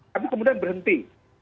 tapi kemudian berhenti